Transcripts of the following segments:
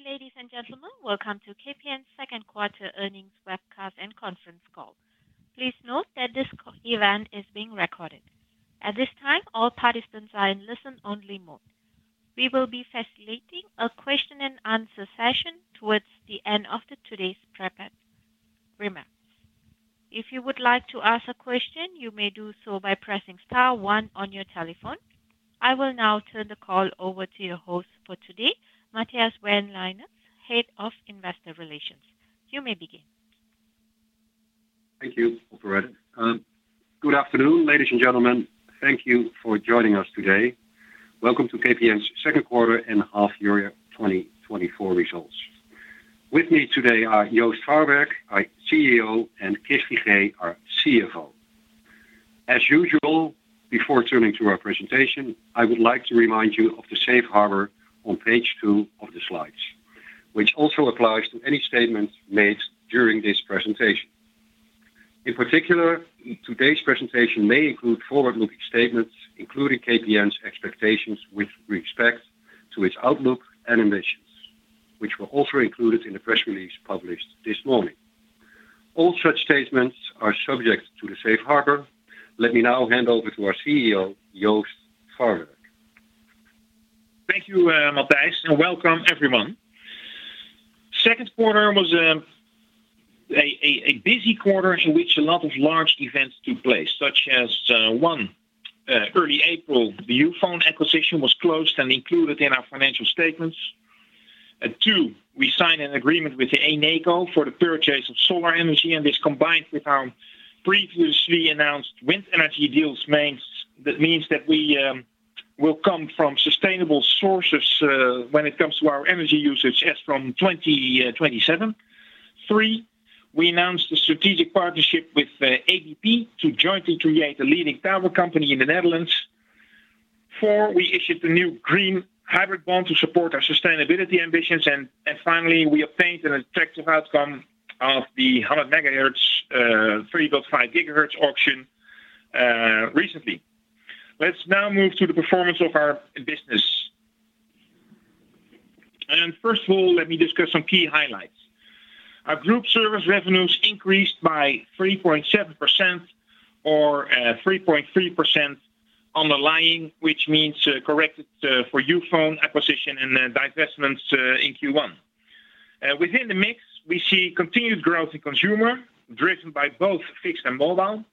Good day, ladies and gentlemen. Welcome to KPN's second quarter earnings webcast and conference call. Please note that this event is being recorded. At this time, all participants are in listen-only mode. We will be facilitating a question-and-answer session towards the end of today's prepared remarks. If you would like to ask a question, you may do so by pressing star one on your telephone. I will now turn the call over to your host for today, Matthijs van Leijenhorst, Head of Investor Relations. You may begin. Thank you, Operator. Good afternoon, ladies and gentlemen. Thank you for joining us today. Welcome to KPN's second quarter and half-year 2024 results. With me today are Joost Farwerck, our CEO, and Chris Figee, our CFO. As usual, before turning to our presentation, I would like to remind you of the safe harbor on page two of the slides, which also applies to any statements made during this presentation. In particular, today's presentation may include forward-looking statements, including KPN's expectations with respect to its outlook and ambitions, which were also included in the press release published this morning. All such statements are subject to the safe harbor. Let me now hand over to our CEO, Joost Farwerck. Thank you, Matthijs, and welcome, everyone. Second quarter was a busy quarter in which a lot of large events took place, such as, one, early April, the Youfone acquisition was closed and included in our financial statements. Two, we signed an agreement with the Eneco for the purchase of solar energy, and this combined with our previously announced wind energy deals means that we will come from sustainable sources when it comes to our energy usage as from 2027. Three, we announced a strategic partnership with ABP to jointly create a leading tower company in the Netherlands. Four, we issued the new green hybrid bond to support our sustainability ambitions. And finally, we obtained an attractive outcome of the 100 MHz, 3.5 GHz auction recently. Let's now move to the performance of our business. And first of all, let me discuss some key highlights. Our group service revenues increased by 3.7% or 3.3% on a like-for-like basis, which means corrected for Youfone acquisition and divestments in Q1. Within the mix, we see continued growth in Consumer driven by both fixed and mobile.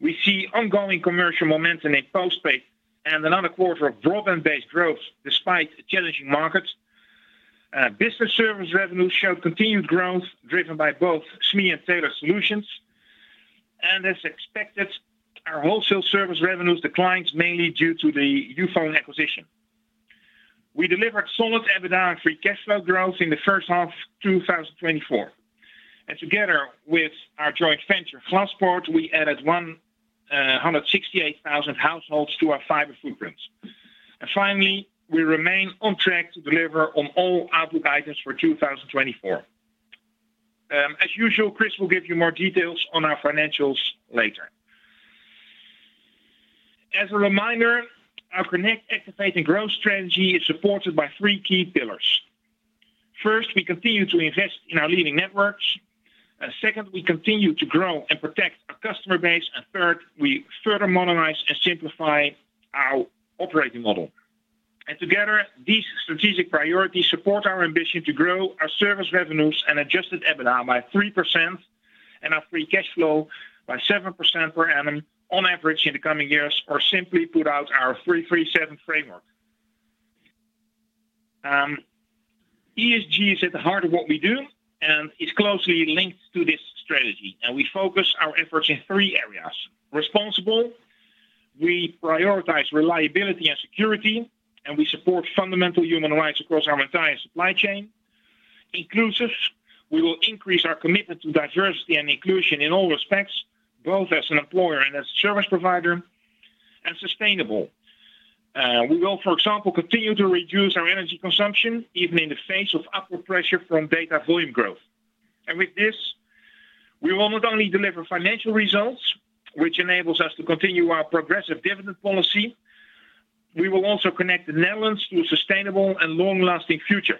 We see ongoing commercial momentum in postpaid and another quarter of broadband base growth despite challenging markets. Business service revenues showed continued growth driven by both SME and Tailored Solutions. As expected, our Wholesale service revenues declined mainly due to the Youfone acquisition. We delivered solid EBITDA and free cash flow growth in the first half of 2024. Together with our joint venture, Glaspoort, we added 168,000 households to our fiber footprint. Finally, we remain on track to deliver on all outlook items for 2024. As usual, Chris will give you more details on our financials later. As a reminder, our connect, activate, and growth strategy is supported by three key pillars. First, we continue to invest in our leading networks. Second, we continue to grow and protect our customer base. Third, we further modernize and simplify our operating model. Together, these strategic priorities support our ambition to grow our service revenues and adjusted EBITDA by 3% and our free cash flow by 7% per annum on average in the coming years, or simply put out our 3-3-7 framework. ESG is at the heart of what we do and is closely linked to this strategy. We focus our efforts in three areas. Responsible, we prioritize reliability and security, and we support fundamental human rights across our entire supply chain. Inclusive, we will increase our commitment to diversity and inclusion in all respects, both as an employer and as a service provider. Sustainable, we will, for example, continue to reduce our energy consumption even in the face of upward pressure from data volume growth. With this, we will not only deliver financial results, which enables us to continue our progressive dividend policy. We will also connect the Netherlands to a sustainable and long-lasting future.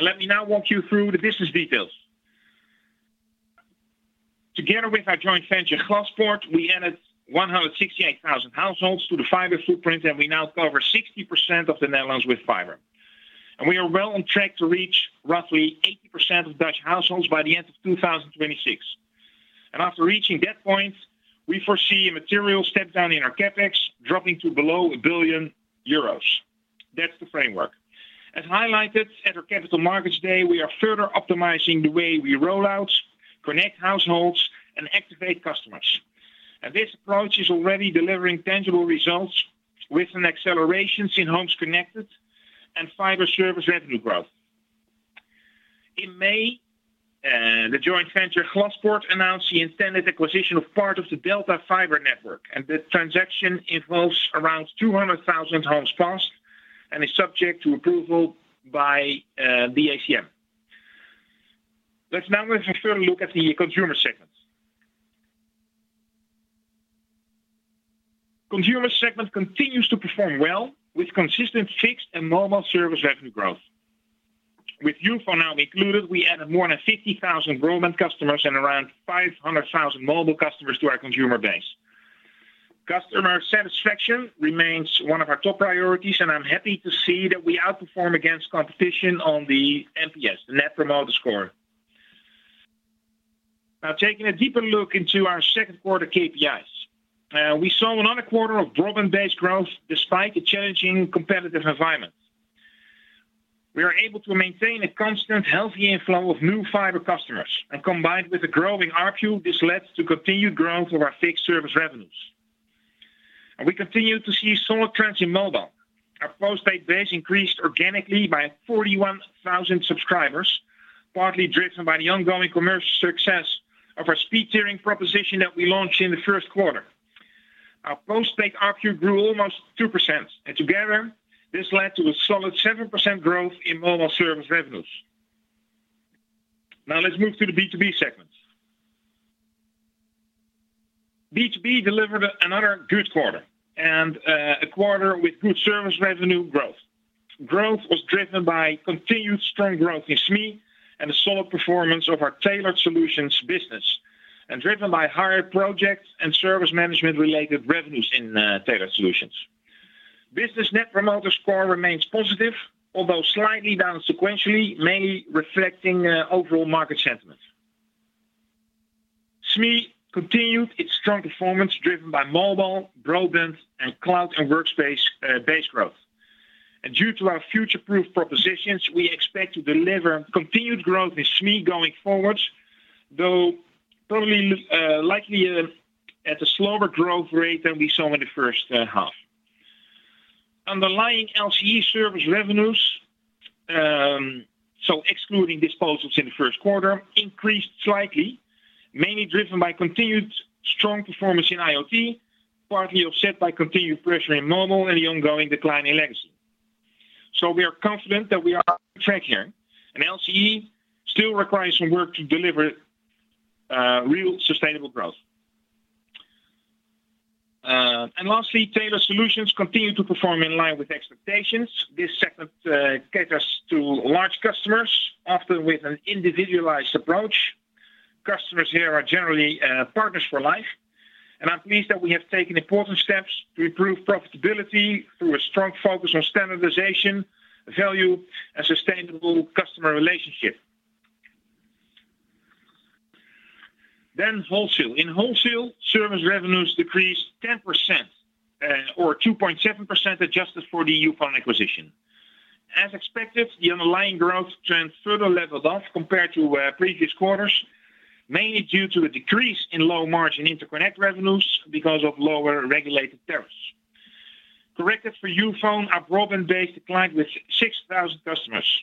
Let me now walk you through the business details. Together with our joint venture, Glaspoort, we added 168,000 households to the fiber footprint, and we now cover 60% of the Netherlands with fiber. We are well on track to reach roughly 80% of Dutch households by the end of 2026. After reaching that point, we foresee a material step down in our CapEx, dropping to below 1 billion euros. That's the framework. As highlighted at our Capital Markets Day, we are further optimizing the way we roll out, connect households, and activate customers. And this approach is already delivering tangible results with an acceleration in homes connected and fiber service revenue growth. In May, the joint venture, Glaspoort, announced the intended acquisition of part of the Delta Fiber network, and the transaction involves around 200,000 homes passed and is subject to approval by the ACM. Let's now have a further look at the Consumer segment. Consumer segment continues to perform well with consistent fixed and mobile service revenue growth. With Youfone now included, we added more than 50,000 broadband customers and around 500,000 mobile customers to our Consumer base. Customer satisfaction remains one of our top priorities, and I'm happy to see that we outperform against competition on the NPS, the Net Promoter Score. Now, taking a deeper look into our second quarter KPIs, we saw another quarter of broadband base growth despite a challenging competitive environment. We are able to maintain a constant, healthy inflow of new fiber customers, and combined with a growing ARPU, this led to continued growth of our fixed service revenues. We continue to see solid trends in mobile. Our postpaid base increased organically by 41,000 subscribers, partly driven by the ongoing commercial success of our speed-tiering proposition that we launched in the first quarter. Our postpaid ARPU grew almost 2%, and together, this led to a solid 7% growth in mobile service revenues. Now, let's move to the B2B segment. B2B delivered another good quarter and a quarter with good service revenue growth. Growth was driven by continued strong growth in SME and the solid performance of our Tailored Solutions business, and driven by higher project and service management-related revenues in Tailored Solutions. Business Net Promoter Score remains positive, although slightly down sequentially, mainly reflecting overall market sentiment. SME continued its strong performance driven by mobile, broadband, and cloud and workspace base growth. Due to our future-proof propositions, we expect to deliver continued growth in SME going forward, though probably likely at a slower growth rate than we saw in the first half. Underlying LCE service revenues, so excluding disposals in the first quarter, increased slightly, mainly driven by continued strong performance in IoT, partly offset by continued pressure in mobile and the ongoing decline in legacy. We are confident that we are on track here, and LCE still requires some work to deliver real sustainable growth. Lastly, Tailored Solutions continue to perform in line with expectations. This segment caters to large customers, often with an individualized approach. Customers here are generally partners for life, and I'm pleased that we have taken important steps to improve profitability through a strong focus on standardization, value, and sustainable customer relationship. Then Wholesale. In Wholesale, service revenues decreased 10% or 2.7% adjusted for the Youfone acquisition. As expected, the underlying growth trend further leveled off compared to previous quarters, mainly due to a decrease in low-margin interconnect revenues because of lower regulated tariffs. Corrected for Youfone, our broadband base decline with 6,000 customers.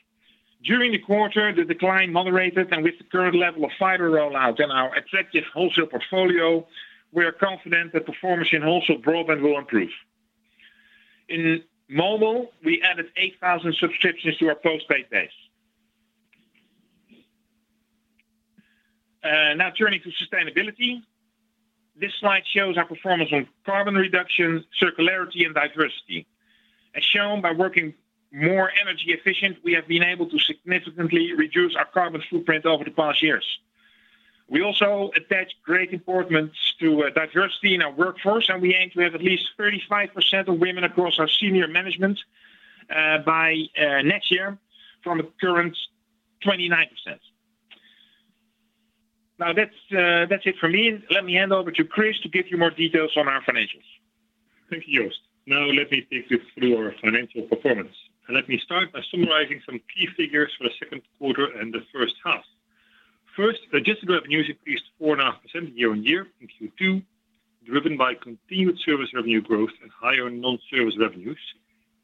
During the quarter, the decline moderated, and with the current level of fiber rollout and our attractive Wholesale portfolio, we are confident that performance in Wholesale broadband will improve. In mobile, we added 8,000 subscriptions to our postpaid base. Now turning to sustainability, this slide shows our performance on carbon reduction, circularity, and diversity. As shown by working more energy efficient, we have been able to significantly reduce our carbon footprint over the past years. We also attach great importance to diversity in our workforce, and we aim to have at least 35% of women across our senior management by next year from the current 29%. Now, that's it for me. Let me hand over to Chris to give you more details on our financials. Thank you, Joost. Now, let me take you through our financial performance. Let me start by summarizing some key figures for the second quarter and the first half. First, organic revenues increased 4.5% year-over-year in Q2, driven by continued service revenue growth and higher non-service revenues,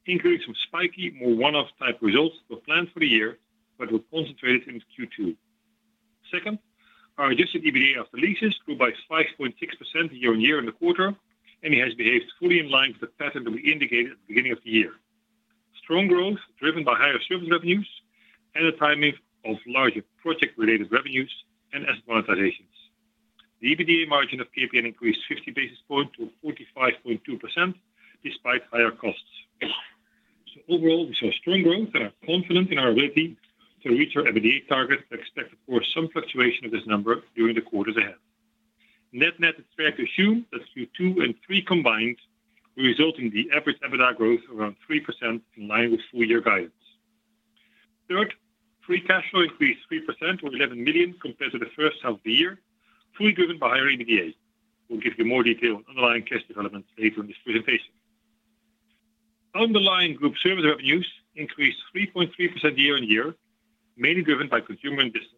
increasing some spiky, more one-off type results that were planned for the year, but were concentrated in Q2. Second, our organic EBITDA after leases grew by 5.6% year-over-year in the quarter, and it has behaved fully in line with the pattern that we indicated at the beginning of the year. Strong growth driven by higher service revenues and the timing of larger project-related revenues and asset monetizations. The EBITDA margin of KPN increased 50 basis points to 45.2% despite higher costs. So overall, we saw strong growth and are confident in our ability to reach our EBITDA target. We expect, of course, some fluctuation of this number during the quarters ahead. Net net is fair to assume that Q2 and Q3 combined will result in the average EBITDA growth of around 3% in line with full-year guidance. Third, free cash flow increased 3% or 11 million compared to the first half of the year, fully driven by higher EBITDA. We'll give you more detail on underlying cash developments later in this presentation. Underlying group service revenues increased 3.3% year-on-year, mainly driven by Consumer and business.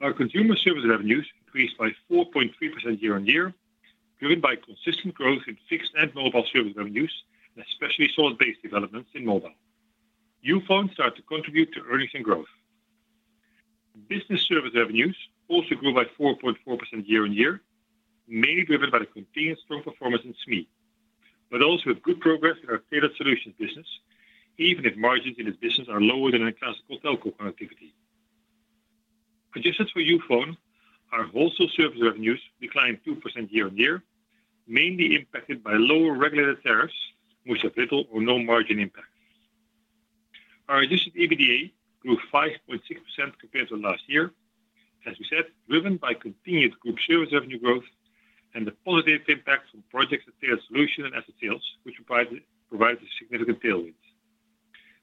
Our Consumer service revenues increased by 4.3% year-on-year, driven by consistent growth in fixed and mobile service revenues, especially solid base developments in mobile. Youfone started to contribute to earnings and growth. Business service revenues also grew by 4.4% year-on-year, mainly driven by the continued strong performance in SME, but also with good progress in our Tailored Solutions business, even if margins in this business are lower than in classical telco connectivity. Adjusted for Youfone, our Wholesale service revenues declined 2% year-on-year, mainly impacted by lower regulated tariffs, which have little or no margin impact. Our adjusted EBITDA grew 5.6% compared to last year, as we said, driven by continued group service revenue growth and the positive impact from projects and Tailored Solutions and asset sales, which provided significant tailwinds.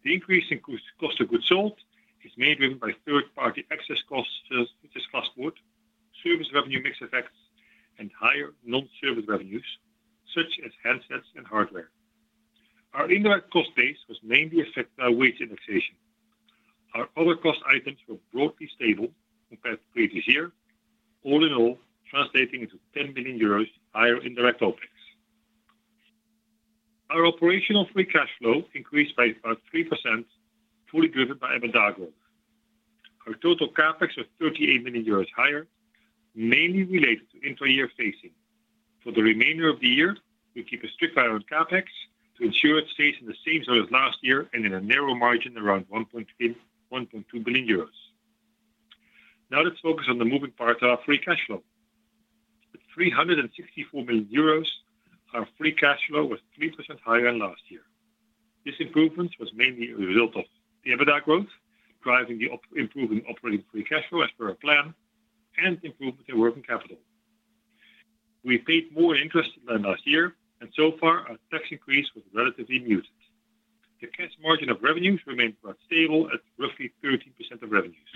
The increase in cost of goods sold is mainly driven by third-party excess costs, such as Glaspoort, service revenue mix effects, and higher non-service revenues, such as handsets and hardware. Our indirect cost base was mainly affected by wage indexation. Our other cost items were broadly stable compared to previous year, all in all translating into 10 million euros higher indirect OpEx. Our operational free cash flow increased by about 3%, fully driven by EBITDA growth. Our total CapEx was 38 million euros higher, mainly related to inter-year phasing. For the remainder of the year, we keep a strict eye on CapEx to ensure it stays in the same zone as last year and in a narrow margin around 1.2 billion euros. Now, let's focus on the moving part of our free cash flow. At 364 million euros, our free cash flow was 3% higher than last year. This improvement was mainly a result of the EBITDA growth, driving the improving operating free cash flow as per our plan, and improvement in working capital. We paid more in interest than last year, and so far, our tax increase was relatively muted. The cash margin of revenues remained quite stable at roughly 13% of revenues.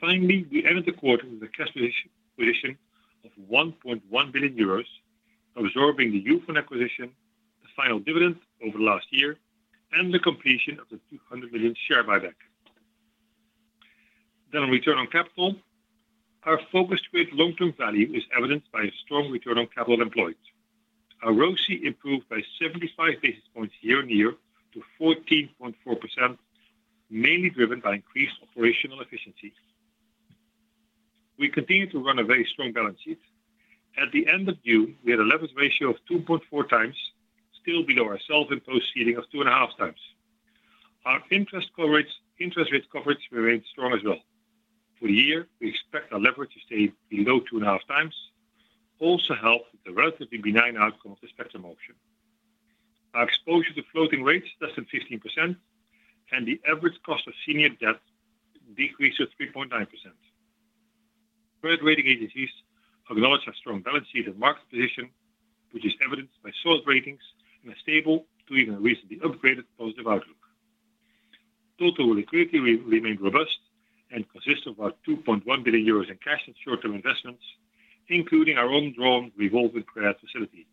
Finally, we ended the quarter with a cash position of 1.1 billion euros, absorbing the Youfone acquisition, the final dividend over the last year, and the completion of the 200 million share buyback. Then, on return on capital, our focus to create long-term value is evidenced by a strong return on capital employed. Our ROCE improved by 75 basis points year-over-year to 14.4%, mainly driven by increased operational efficiency. We continue to run a very strong balance sheet. At the end of June, we had a leverage ratio of 2.4 times, still below our self-imposed ceiling of 2.5 times. Our interest rate coverage remained strong as well. For the year, we expect our leverage to stay below 2.5 times, also helped with the relatively benign outcome of the spectrum auction. Our exposure to floating rates less than 15%, and the average cost of senior debt decreased to 3.9%. Three rating agencies acknowledge our strong balance sheet and market position, which is evidenced by solid ratings and a stable to even recently upgraded positive outlook. Total liquidity remained robust and consisting of about 2.1 billion euros in cash and short-term investments, including our undrawn revolving credit facility.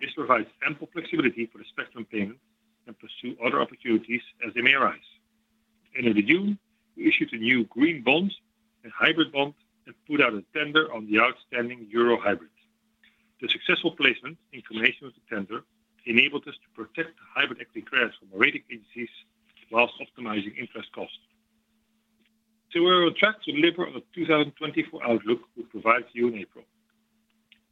This provides ample flexibility for the spectrum payment and pursue other opportunities as they may arise. In early June, we issued a new green bond and hybrid bond and put out a tender on the outstanding euro hybrid. The successful placement in combination with the tender enabled us to protect the hybrid equity credit from rating agencies while optimizing interest cost. So we're on track to deliver on the 2024 outlook, which provides you in April.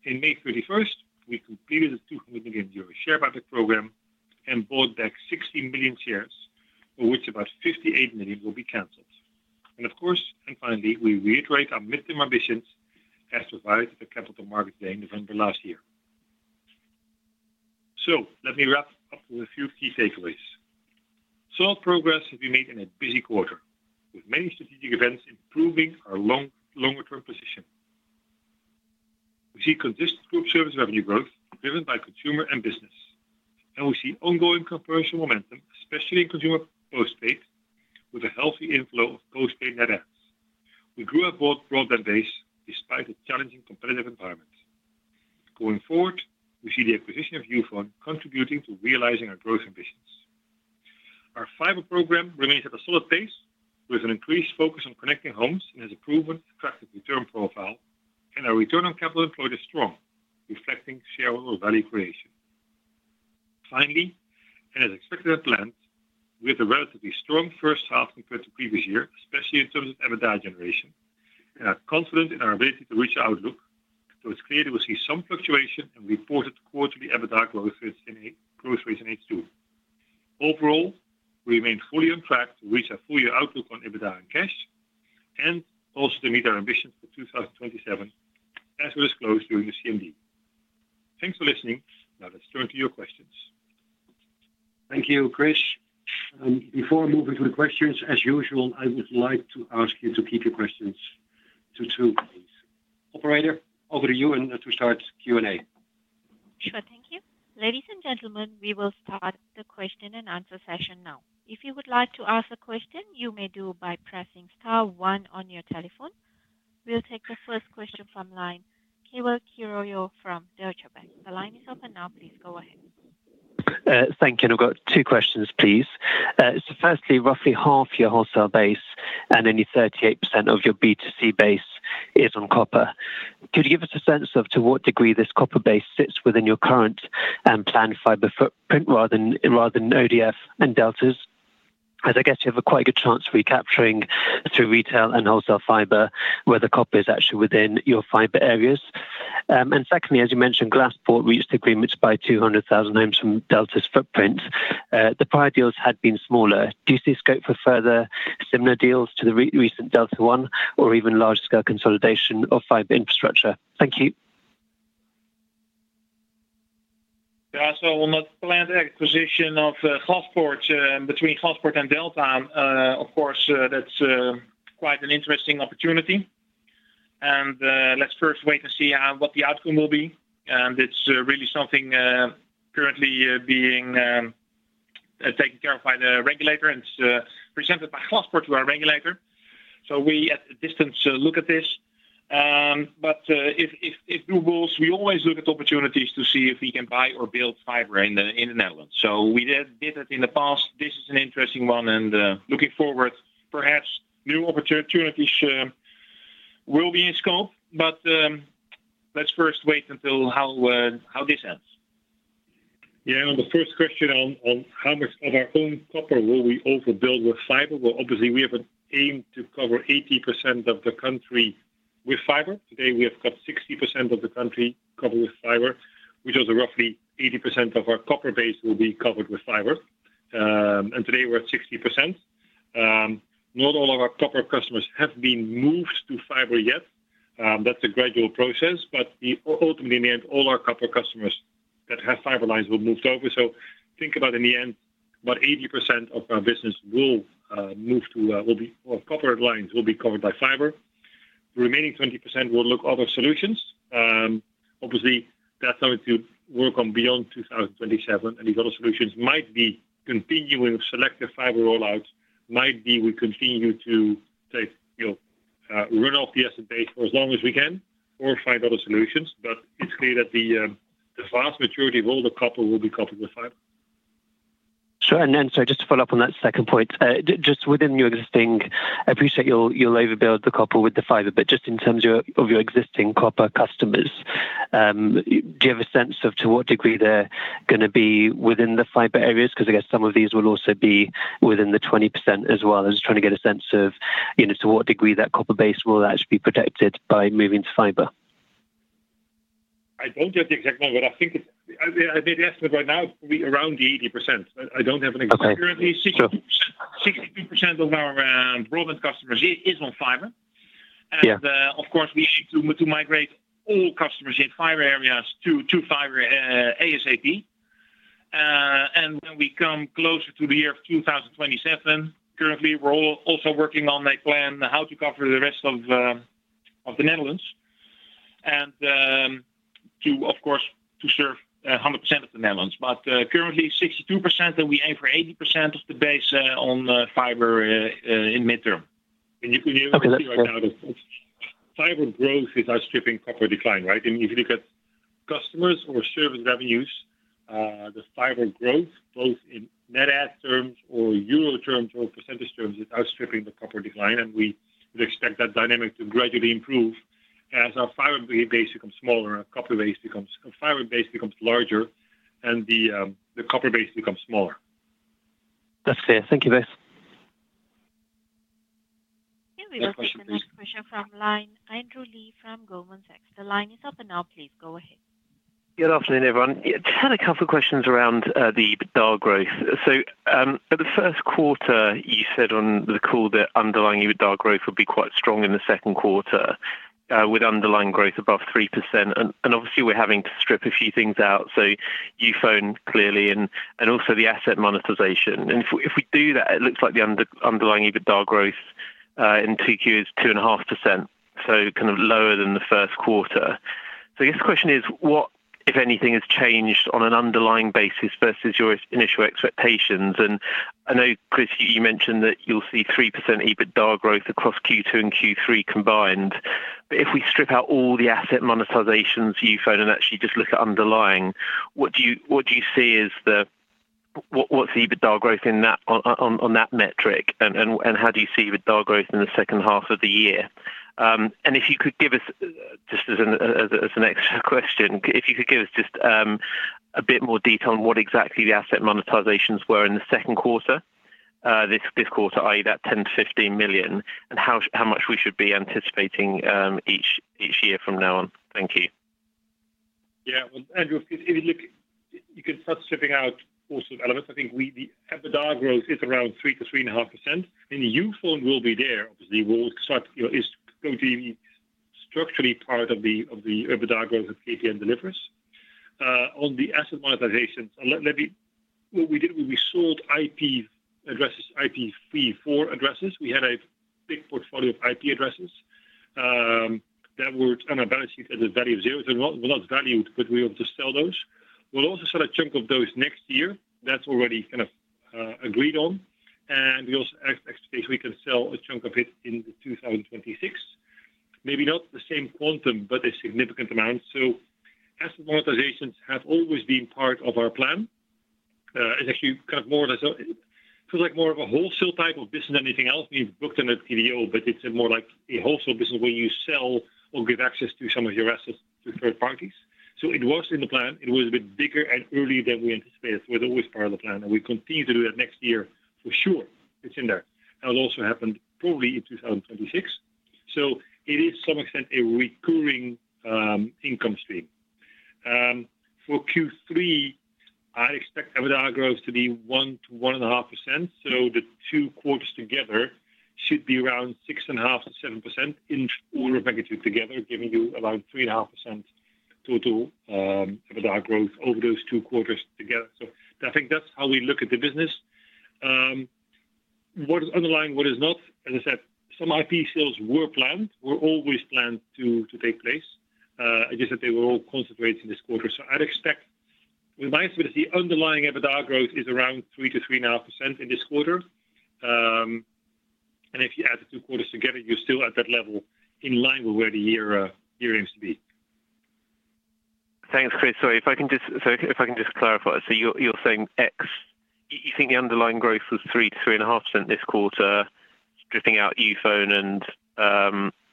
On May 31st, we completed the 200 million euro share buyback program and bought back 60 million shares, of which about 58 million will be canceled. And of course, and finally, we reiterate our midterm ambitions as provided at the capital market day in November last year. So let me wrap up with a few key takeaways. Solid progress has been made in a busy quarter, with many strategic events improving our longer-term position. We see consistent group service revenue growth driven by Consumer and business, and we see ongoing commercial momentum, especially in Consumer postpaid, with a healthy inflow of postpaid net adds. We grew our broadband base despite a challenging competitive environment. Going forward, we see the acquisition of Youfone contributing to realizing our growth ambitions. Our fiber program remains at a solid pace, with an increased focus on connecting homes and has proven an attractive return profile, and our return on capital employed is strong, reflecting shareholder value creation. Finally, and as expected and planned, we had a relatively strong first half compared to previous year, especially in terms of EBITDA generation, and are confident in our ability to reach our outlook, though it's clear that we'll see some fluctuation and reported quarterly EBITDA growth rates in H2. Overall, we remain fully on track to reach our full-year outlook on EBITDA and cash, and also to meet our ambitions for 2027, as we disclosed during the CMD. Thanks for listening. Now, let's turn to your questions. Thank you, Chris. Before moving to the questions, as usual, I would like to ask you to keep your questions to two, please. Operator, over to you to start Q&A. Sure, thank you. Ladies and gentlemen, we will start the question and answer session now. If you would like to ask a question, you may do by pressing star one on your telephone. We'll take the first question from line Keval Khiroya from Deutsche Bank. The line is open now. Please go ahead. Thank you. We've got two questions, please. Firstly, roughly half your Wholesale base and only 38% of your B2C base is on copper. Could you give us a sense of to what degree this copper base sits within your current planned fiber footprint rather than ODF and Delta's? As I guess you have a quite good chance recapturing through retail and Wholesale fiber where the copper is actually within your fiber areas. And secondly, as you mentioned, Glaspoort reached agreements by 200,000 homes from Delta's footprint. The prior deals had been smaller. Do you see scope for further similar deals to the recent Delta one or even large-scale consolidation of fiber infrastructure? Thank you. Yeah, so on the planned acquisition of Glaspoort between Glaspoort and Delta, of course, that's quite an interesting opportunity. Let's first wait and see what the outcome will be. It's really something currently being taken care of by the regulator and presented by Glaspoort to our regulator. We at a distance look at this, but if due wills, we always look at opportunities to see if we can buy or build fiber in the Netherlands. We did it in the past. This is an interesting one and looking forward, perhaps new opportunities will be in scope, but let's first wait until how this ends. Yeah, and the first question on how much of our own copper will we overbuild with fiber? Well, obviously, we have an aim to cover 80% of the country with fiber. Today, we have got 60% of the country covered with fiber, which is roughly 80% of our copper base will be covered with fiber. And today, we're at 60%. Not all of our copper customers have been moved to fiber yet. That's a gradual process, but ultimately, in the end, all our copper customers that have fiber lines will move over. So think about in the end, about 80% of our business will move to, will be copper lines will be covered by fiber. The remaining 20% will look at other solutions. Obviously, that's something to work on beyond 2027, and these other solutions might be continuing selective fiber rollouts, might be we continue to run off the asset base for as long as we can or find other solutions, but it's clear that the vast majority of all the copper will be covered with fiber. So, just to follow up on that second point, just within your existing, I appreciate you'll overbuild the copper with the fiber, but just in terms of your existing copper customers, do you have a sense of to what degree they're going to be within the fiber areas? Because I guess some of these will also be within the 20% as well. I was just trying to get a sense of to what degree that copper base will actually be protected by moving to fiber. I don't get the exact number, but I think it's, I made the estimate right now, it'll be around 80%. I don't have an exact figure. Okay. 62% of our broadband customers is on fiber. And of course, we aim to migrate all customers in fiber areas to fiber ASAP. And when we come closer to the year of 2027, currently, we're also working on a plan how to cover the rest of the Netherlands and to, of course, to serve 100% of the Netherlands. But currently, 62%, and we aim for 80% of the base on fiber in midterm. And you can see right now that fiber growth is outstripping copper decline, right? And if you look at customers or service revenues, the fiber growth, both in net asset terms or euro terms or percentage terms, is outstripping the copper decline, and we would expect that dynamic to gradually improve as our fiber base becomes smaller, our copper base becomes, our fiber base becomes larger, and the copper base becomes smaller. That's clear. Thank you, both. Yeah, we've got the next question from Andrew Lee from Goldman Sachs. The line is up, and now, please go ahead. Good afternoon, everyone. Just had a couple of questions around the EBITDA growth. So at the first quarter, you said on the call that underlying EBITDA growth would be quite strong in the second quarter, with underlying growth above 3%. And obviously, we're having to strip a few things out. So Youfone clearly, and also the asset monetization. And if we do that, it looks like the underlying EBITDA growth in Q2 is 2.5%, so kind of lower than the first quarter. So I guess the question is, what, if anything, has changed on an underlying basis versus your initial expectations? And I know, Chris, you mentioned that you'll see 3% EBITDA growth across Q2 and Q3 combined. But if we strip out all the asset monetizations, Youfone, and actually just look at underlying, what do you see as the, what's the EBITDA growth in that on that metric? How do you see EBITDA growth in the second half of the year? If you could give us, just as an extra question, if you could give us just a bit more detail on what exactly the asset monetizations were in the second quarter, this quarter, i.e., 10 million-15 million, and how much we should be anticipating each year from now on. Thank you. Yeah, well, Andrew, if you look, you can start stripping out all sorts of elements. I think the EBITDA growth is around 3%-3.5%. And Youfone will be there, obviously. We'll start, it's going to be structurally part of the EBITDA growth that KPN delivers. On the asset monetizations, let me, what we did, we sold IP addresses, IPv4 addresses. We had a big portfolio of IP addresses that were on our balance sheet at the value of zero. They were not valued, but we were able to sell those. We'll also sell a chunk of those next year. That's already kind of agreed on. And we also have expectations we can sell a chunk of it in 2026. Maybe not the same quantum, but a significant amount. So asset monetizations have always been part of our plan. It's actually kind of more or less, it feels like more of a Wholesale type of business than anything else. We've looked at it at TVO, but it's more like a Wholesale business where you sell or give access to some of your assets to third parties. So it was in the plan. It was a bit bigger and earlier than we anticipated. So it's always part of the plan, and we continue to do that next year, for sure. It's in there. That will also happen probably in 2026. So it is, to some extent, a recurring income stream. For Q3, I expect EBITDA growth to be 1%-1.5%. So the two quarters together should be around 6.5%-7% in order of magnitude together, giving you around 3.5% total EBITDA growth over those two quarters together. So I think that's how we look at the business. What is underlying, what is not, as I said, some IP sales were planned, were always planned to take place. I just said they were all concentrated in this quarter. So I'd expect, with my estimate, the underlying EBITDA growth is around 3%-3.5% in this quarter. And if you add the two quarters together, you're still at that level in line with where the year aims to be. Thanks, Chris. So if I can just clarify, you're saying X, you think the underlying growth was 3%-3.5% this quarter, stripping out Youfone, and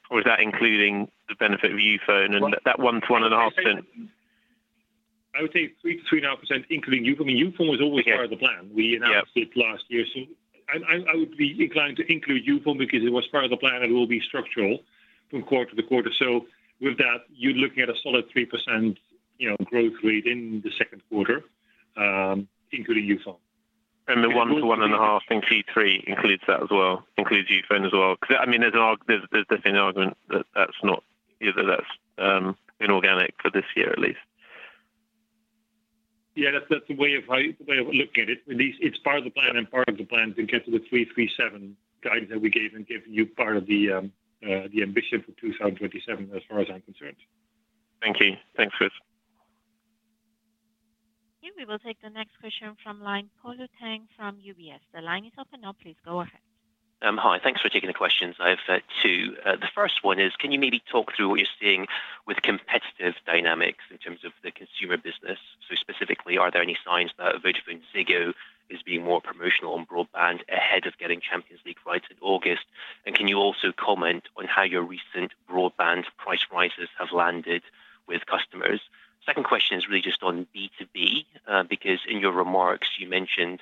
or is that including the benefit of Youfone and that 1%-1.5%? I would say 3%-3.5% including Youfone. I mean, Youfone was always part of the plan. We announced it last year. So I would be inclined to include Youfone because it was part of the plan and it will be structural from quarter to quarter. So with that, you're looking at a solid 3% growth rate in the second quarter, including Youfone. The 1%-1.5% in Q3 includes that as well, includes Youfone as well. Because, I mean, there's definitely an argument that that's not, that's inorganic for this year, at least. Yeah, that's the way of looking at it. It's part of the plan and part of the plan to get to the 3.37 guidance that we gave and give you part of the ambition for 2027 as far as I'm concerned. Thank you. Thanks, Chris. Okay, we will take the next question from line Polo Tang from UBS. The line is up and now, please go ahead. Hi, thanks for taking the questions. I have two. The first one is, can you maybe talk through what you're seeing with competitive dynamics in terms of the Consumer business? So specifically, are there any signs that VodafoneZiggo is being more promotional on broadband ahead of getting Champions League rights in August? And can you also comment on how your recent broadband price rises have landed with customers? Second question is really just on B2B because in your remarks, you mentioned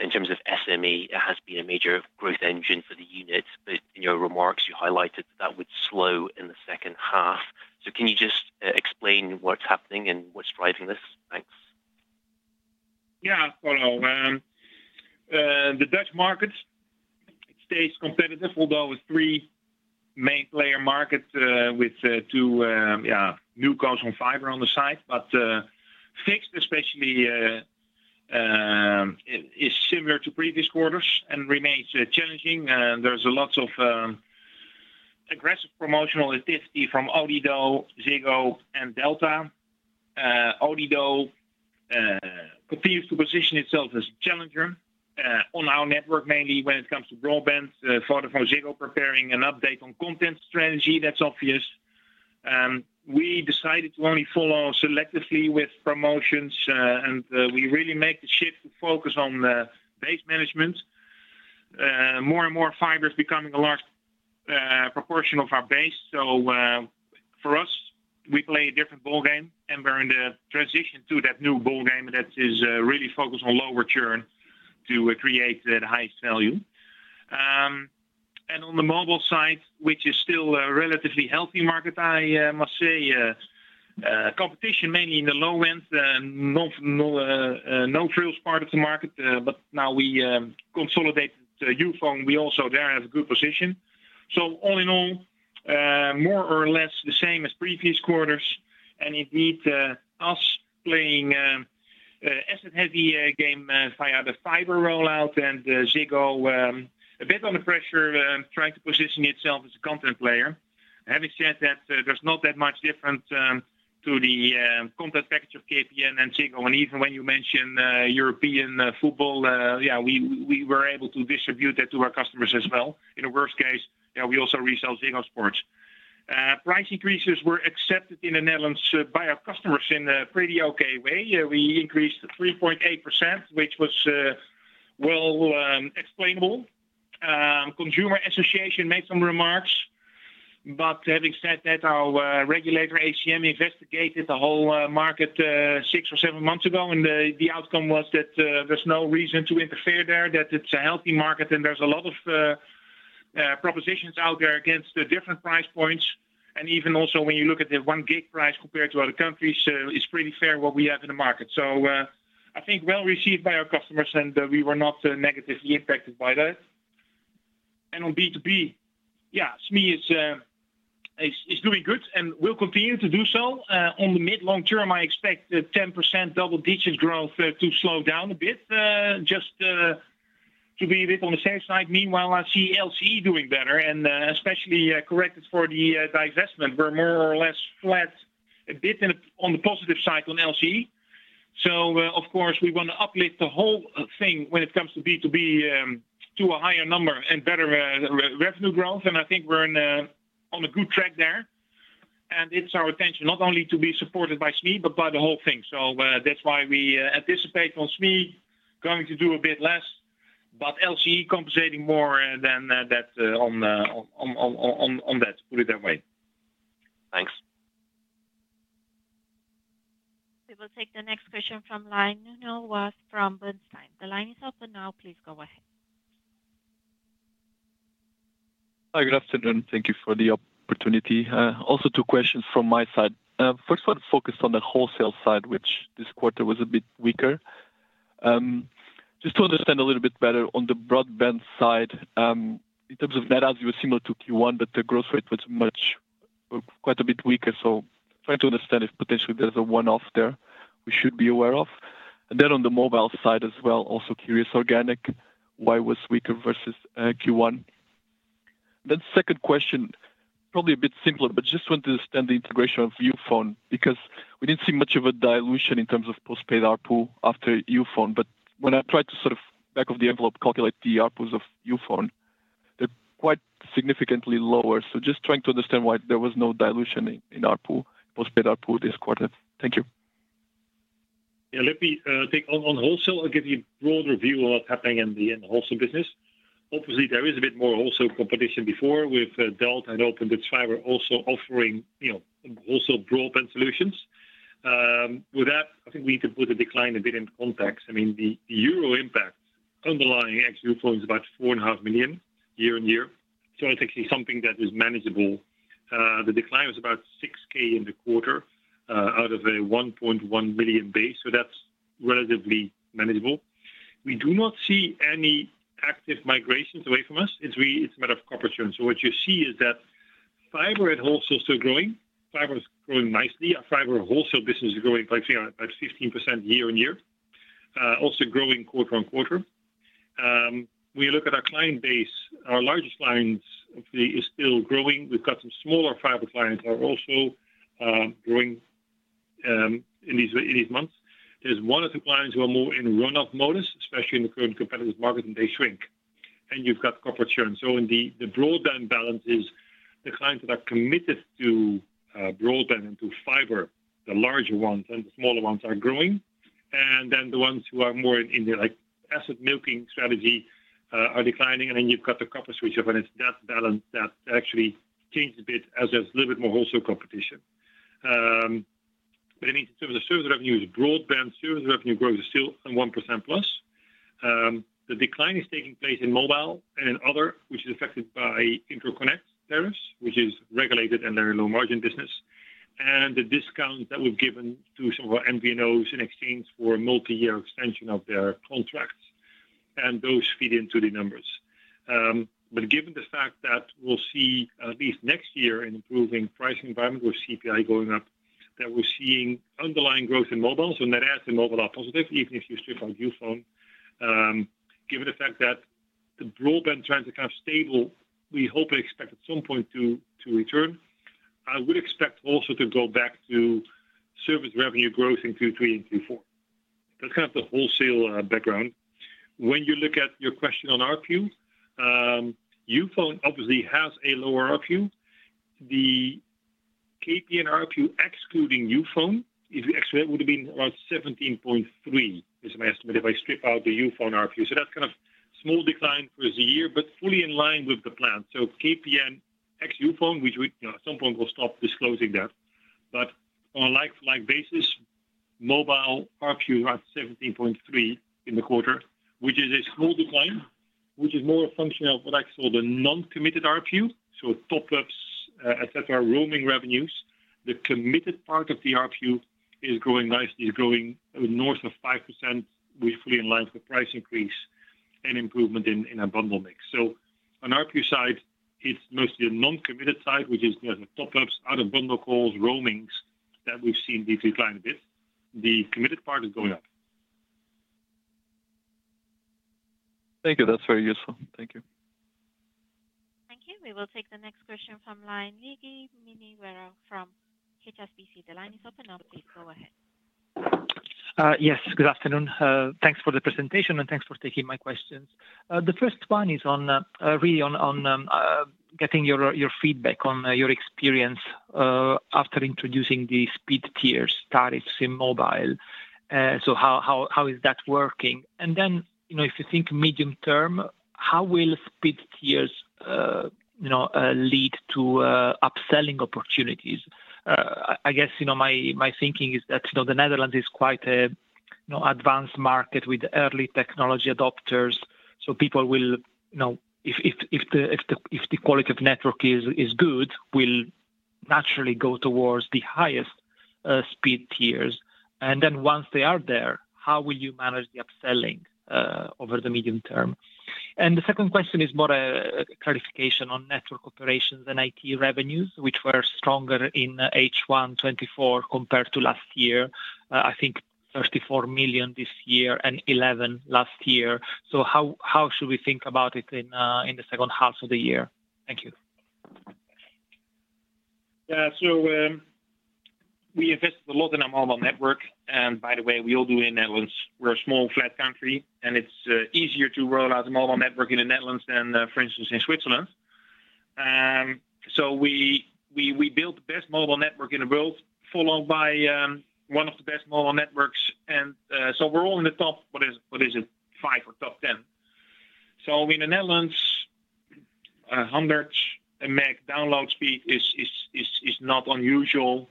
in terms of SME, it has been a major growth engine for the unit, but in your remarks, you highlighted that that would slow in the second half. So can you just explain what's happening and what's driving this? Thanks. Yeah, well, the Dutch market stays competitive, although with three main player markets with two newcomers on fiber on the side. But fixed, especially, is similar to previous quarters and remains challenging. There's lots of aggressive promotional activity from Odido, Ziggo, and Delta. Odido continues to position itself as a challenger on our network, mainly when it comes to broadband. VodafoneZiggo preparing an update on content strategy, that's obvious. We decided to only follow selectively with promotions, and we really make the shift to focus on base management. More and more fiber is becoming a large proportion of our base. So for us, we play a different ballgame, and we're in the transition to that new ballgame that is really focused on lower churn to create the highest value. And on the mobile side, which is still a relatively healthy market, I must say, competition mainly in the low end, no-frills part of the market, but now we consolidated Youfone, we also there have a good position. So all in all, more or less the same as previous quarters. And indeed, us playing asset-heavy game via the fiber rollout and Ziggo, a bit under pressure, trying to position itself as a content player. Having said that, there's not that much different to the content package of KPN and Ziggo. And even when you mention European football, yeah, we were able to distribute that to our customers as well. In the worst case, yeah, we also resell Ziggo Sport. Price increases were accepted in the Netherlands by our customers in a pretty okay way. We increased 3.8%, which was well explainable. Consumer Association made some remarks, but having said that, our regulator, ACM, investigated the whole market six or seven months ago, and the outcome was that there's no reason to interfere there, that it's a healthy market, and there's a lot of propositions out there against different price points. And even also when you look at the 1 gig price compared to other countries, it's pretty fair what we have in the market. So I think well received by our customers, and we were not negatively impacted by that. And on B2B, yeah, SME is doing good and will continue to do so. On the mid-long term, I expect 10% double digits growth to slow down a bit, just to be a bit on the safe side. Meanwhile, I see LCE doing better and especially corrected for the divestment. We're more or less flat, a bit on the positive side, on LCE. So, of course, we want to uplift the whole thing when it comes to B2B to a higher number and better revenue growth, and I think we're on a good track there. And it's our intention, not only to be supported by SME, but by the whole thing. So that's why we anticipate on SME going to do a bit less, but LCE compensating more than that on that, to put it that way. Thanks. We will take the next question from line Nuno Vaz from Bernstein. The line is up and now, please go ahead. Hi, good afternoon. Thank you for the opportunity. Also, two questions from my side. First, I want to focus on the Wholesale side, which this quarter was a bit weaker. Just to understand a little bit better on the broadband side, in terms of net adds, it was similar to Q1, but the growth rate was quite a bit weaker. Trying to understand if potentially there's a one-off there we should be aware of. And then on the mobile side as well, also curious organically why was weaker versus Q1? Then second question, probably a bit simpler, but just want to understand the integration of Youfone because we didn't see much of a dilution in terms of postpaid ARPU after Youfone, but when I tried to sort of back-of-the-envelope calculate the ARPUs of Youfone, they're quite significantly lower. Just trying to understand why there was no dilution in ARPU, postpaid ARPU this quarter? Thank you. Yeah, let me take on Wholesale. I'll give you a broader view of what's happening in the Wholesale business. Obviously, there is a bit more Wholesale competition before with Delta Fiber and Open Dutch Fiber also offering Wholesale broadband solutions. With that, I think we need to put the decline a bit in context. I mean, the FX impact underlying is about 4.5 million year-on-year. So it's actually something that is manageable. The decline was about 6,000 in the quarter out of a 1.1 million base. So that's relatively manageable. We do not see any active migrations away from us. It's a matter of corporate churn. So what you see is that fiber at Wholesale is still growing. Fiber is growing nicely. Our fiber Wholesale business is growing by about 15% year-on-year, also growing quarter-on-quarter. When you look at our client base, our largest client is still growing. We've got some smaller fiber clients that are also growing in these months. There's one or two clients who are more in runoff mode, especially in the current competitive market, and they shrink. And you've got corporate churn. So in the broadband balances, the clients that are committed to broadband and to fiber, the larger ones and the smaller ones are growing. And then the ones who are more in the asset milking strategy are declining. And then you've got the corporate switch off, and it's that balance that actually changes a bit as there's a little bit more Wholesale competition. But I mean, in terms of service revenues, broadband service revenue growth is still 1%+. The decline is taking place in mobile and in other, which is affected by interconnect tariffs, which is regulated and they're a low-margin business. And the discounts that we've given to some of our MVNOs in exchange for multi-year extension of their contracts, and those feed into the numbers. But given the fact that we'll see at least next year an improving pricing environment with CPI going up, that we're seeing underlying growth in mobile. So net adds in mobile are positive, even if you strip out Youfone, given the fact that the broadband trends are kind of stable, we hope and expect at some point to return. I would expect also to go back to service revenue growth in Q3 and Q4. That's kind of the Wholesale background. When you look at your question on ARPU, Youfone obviously has a lower ARPU. The KPN ARPU excluding Youfone, if you exclude it, would have been around 17.3 is my estimate if I strip out the Youfone ARPU. So that's kind of a small decline for the year, but fully in line with the plan. So KPN ex Youfone, which at some point will stop disclosing that. But on a like-for-like basis, mobile ARPU is around 17.3 in the quarter, which is a small decline, which is more a function of what I call the non-committed ARPU. So top-ups, etc., roaming revenues. The committed part of the ARPU is growing nicely, is growing north of 5%, which is fully in line with the price increase and improvement in our bundle mix. So on ARPU side, it's mostly the non-committed side, which is the top-ups, out-of-bundle calls, roamings that we've seen declined a bit. The committed part is going up. Thank you. That's very useful. Thank you. Thank you. We will take the next question from Luigi Minerva from HSBC. The line is up and now, please go ahead. Yes, good afternoon. Thanks for the presentation and thanks for taking my questions. The first one is really on getting your feedback on your experience after introducing the speed tiers tariffs in mobile. So how is that working? And then if you think medium term, how will speed tiers lead to upselling opportunities? I guess my thinking is that the Netherlands is quite an advanced market with early technology adopters. So people will, if the quality of network is good, will naturally go towards the highest speed tiers. And then once they are there, how will you manage the upselling over the medium term? And the second question is more a clarification on Network, Operations & IT revenues, which were stronger in H1 2024 compared to last year. I think 34 million this year and 11 million last year. How should we think about it in the second half of the year? Thank you. Yeah, so we invested a lot in our mobile network. And by the way, we all do in the Netherlands. We're a small, flat country, and it's easier to roll out a mobile network in the Netherlands than, for instance, in Switzerland. So we built the best mobile network in the world, followed by one of the best mobile networks. And so we're all in the top, what is it, 5 or top 10. So in the Netherlands, 100 Mbps download speed is not unusual.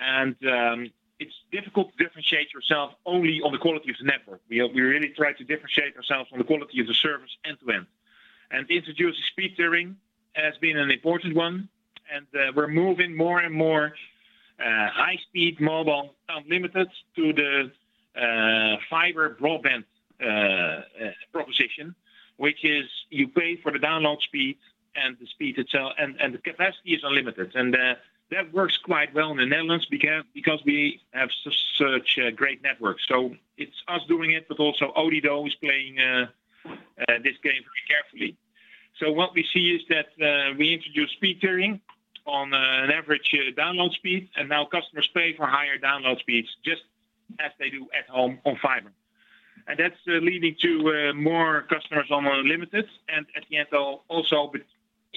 And it's difficult to differentiate yourself only on the quality of the network. We really try to differentiate ourselves on the quality of the service end-to-end. And introducing speed tiering has been an important one. We're moving more and more high-speed mobile unlimited to the fiber broadband proposition, which is you pay for the download speed and the speed itself, and the capacity is unlimited. That works quite well in the Netherlands because we have such a great network. So it's us doing it, but also Odido is playing this game very carefully. So what we see is that we introduce speed tiering on an average download speed, and now customers pay for higher download speeds just as they do at home on fiber. And that's leading to more customers on unlimited. And at the end, also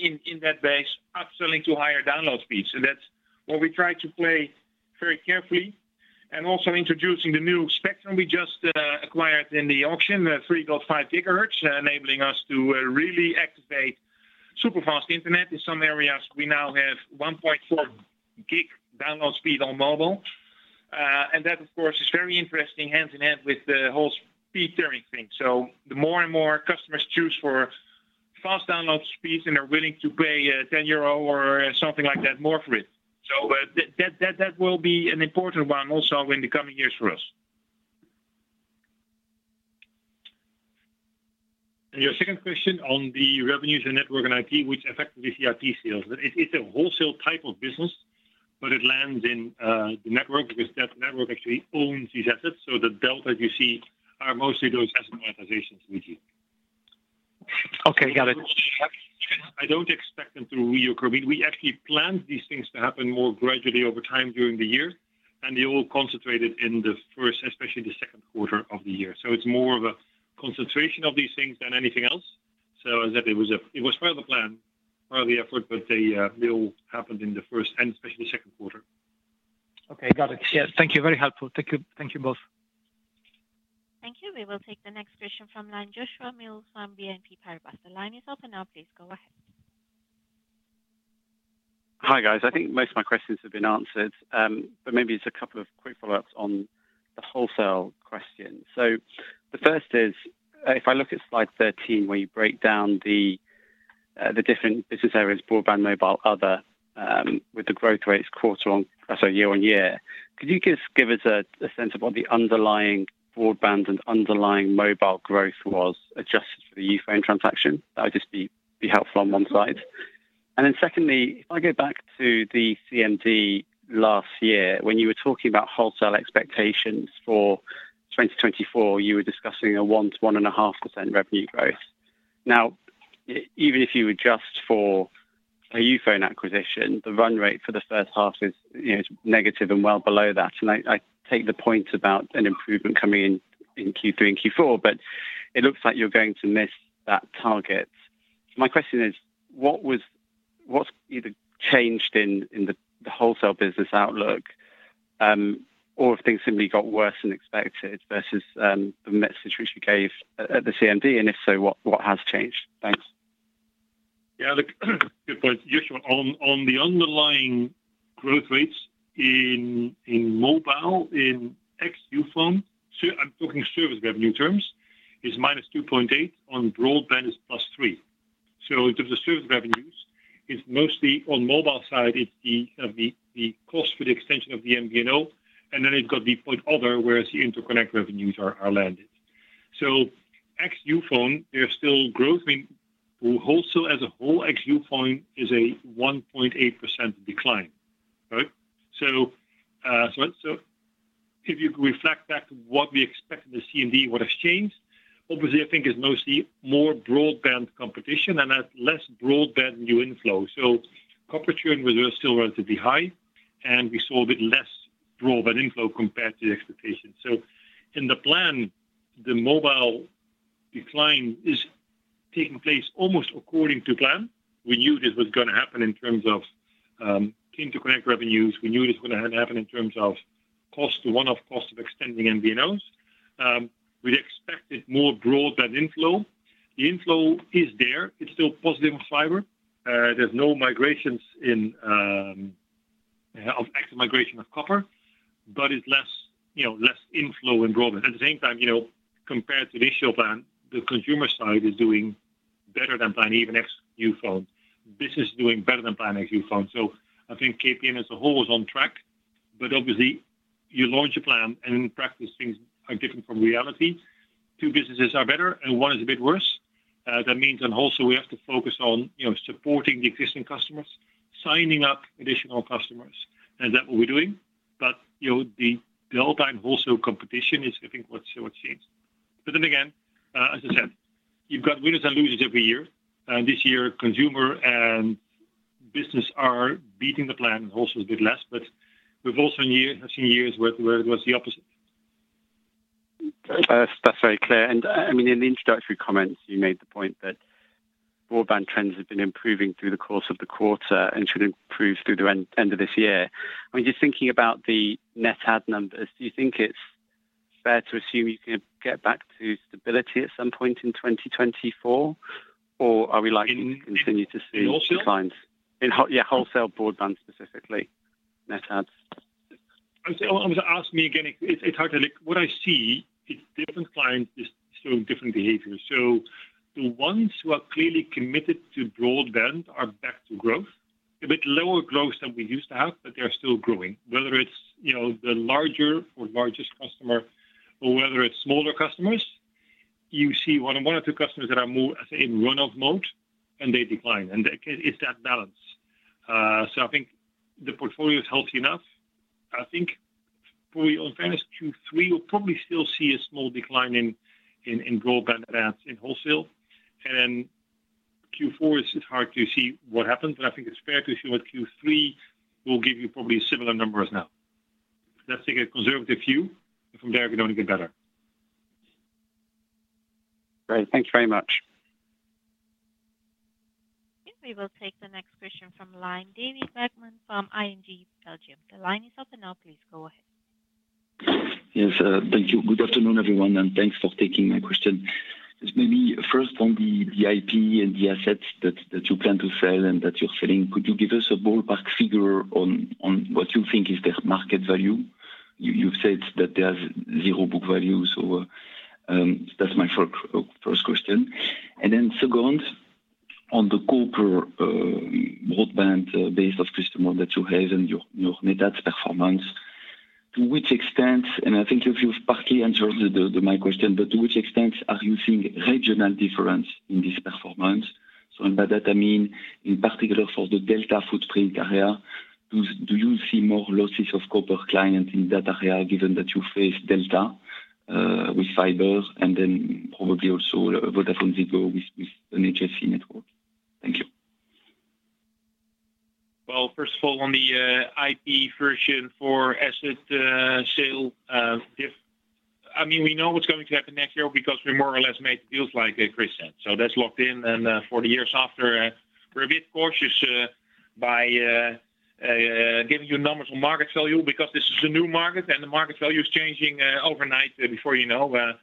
in that base, upselling to higher download speeds. And that's what we try to play very carefully. And also introducing the new spectrum we just acquired in the auction, 3.5 gigahertz, enabling us to really activate super fast internet. In some areas, we now have 1.4 gig download speed on mobile. That, of course, is very interesting hand in hand with the whole speed tiering thing. The more and more customers choose for fast download speeds and are willing to pay 10 euro or something like that more for it. That will be an important one also in the coming years for us. Your second question on the revenues and network and IT, which affected the IP sales. It's a Wholesale type of business, but it lands in the network because that network actually owns these assets. So the Delta you see are mostly those asset monetizations, Luigi. Okay, got it. I don't expect them to reoccur. We actually planned these things to happen more gradually over time during the year, and they all concentrated in the first, especially the second quarter of the year. So it's more of a concentration of these things than anything else. So as I said, it was part of the plan, part of the effort, but they all happened in the first, and especially the second quarter. Okay, got it. Yes, thank you. Very helpful. Thank you both. Thank you. We will take the next question from line Joshua Mills from BNP Paribas. The line is up and now, please go ahead. Hi guys. I think most of my questions have been answered, but maybe it's a couple of quick follow-ups on the Wholesale question. So the first is, if I look at slide 13 where you break down the different business areas, broadband, mobile, other, with the growth rates quarter on, sorry, year on year, could you just give us a sense of what the underlying broadband and underlying mobile growth was adjusted for the Youfone transaction? That would just be helpful on one side. And then secondly, if I go back to the CMD last year, when you were talking about Wholesale expectations for 2024, you were discussing a 1%-1.5% revenue growth. Now, even if you adjust for a Youfone acquisition, the run rate for the first half is negative and well below that. I take the point about an improvement coming in Q3 and Q4, but it looks like you're going to miss that target. My question is, what's either changed in the Wholesale business outlook or if things simply got worse than expected versus the message which you gave at the CMD? And if so, what has changed? Thanks. Yeah, good point. Joshua, on the underlying growth rates in mobile ex-Youfone, I'm talking service revenue terms, is -2.8%. On broadband, it's +3%. So in terms of service revenues, it's mostly on mobile side, it's the cost for the extension of the MVNO, and then you've got the point other, whereas the interconnect revenues are landed. So ex-Youfone, there's still growth. I mean, Wholesale as a whole, ex-Youfone is a 1.8% decline, right? So if you reflect back to what we expect in the CMD, what has changed, obviously I think is mostly more broadband competition and less broadband new inflow. So corporate churn was still relatively high, and we saw a bit less broadband inflow compared to the expectation. So in the plan, the mobile decline is taking place almost according to plan. We knew this was going to happen in terms of interconnect revenues. We knew this was going to happen in terms of cost to one-off cost of extending MVNOs. We expected more broadband inflow. The inflow is there. It's still positive on fiber. There's no migrations of active migration of copper, but it's less inflow and broadband. At the same time, compared to the initial plan, the Consumer side is doing better than plan, even ex Youfone. Business is doing better than plan ex Youfone. So I think KPN as a whole is on track, but obviously you launch a plan and in practice things are different from reality. Two businesses are better and one is a bit worse. That means on Wholesale, we have to focus on supporting the existing customers, signing up additional customers, and that's what we're doing. But the Delta and Wholesale competition is, I think, what's changed. But then again, as I said, you've got winners and losers every year. This year, Consumer and business are beating the plan, and Wholesale is a bit less, but we've also seen years where it was the opposite. That's very clear. I mean, in the introductory comments, you made the point that broadband trends have been improving through the course of the quarter and should improve through the end of this year. I mean, just thinking about the net add numbers, do you think it's fair to assume you can get back to stability at some point in 2024, or are we likely to continue to see declines? In Wholesale. Yeah, Wholesale broadband specifically, net adds. I was asked again, it's hard to look. What I see is different clients showing different behaviors. So the ones who are clearly committed to broadband are back to growth, a bit lower growth than we used to have, but they're still growing. Whether it's the larger or largest customer or whether it's smaller customers, you see one or two customers that are more, I say, in runoff mode, and they decline. And it's that balance. So I think the portfolio is healthy enough. I think, probably in fairness, Q3 will probably still see a small decline in broadband and voice in Wholesale. And then Q4, it's hard to see what happens, but I think it's fair to assume that Q3 will give you probably similar numbers now. Let's take a conservative view, and from there, we don't get better. Great. Thanks very much. We will take the next question from line David Vagman from ING Belgium. The line is up, and now, please go ahead. Yes, thank you. Good afternoon, everyone, and thanks for taking my question. Maybe first on the IP and the assets that you plan to sell and that you're selling, could you give us a ballpark figure on what you think is their market value? You've said that there's zero book value, so that's my first question. Then second, on the corporate broadband base of customers that you have and your net adds performance, to which extent, and I think you've partly answered my question, but to which extent are you seeing regional difference in this performance? So by that, I mean, in particular for the Delta footprint area, do you see more losses of corporate clients in that area given that you face Delta with fiber and then probably also VodafoneZiggo with an HFC network? Thank you. Well, first of all, on the IPv4 asset sale, I mean, we know what's going to happen next year because we more or less made deals like Chris said. So that's locked in. And for the years after, we're a bit cautious by giving you numbers on market value because this is a new market, and the market value is changing overnight before you know.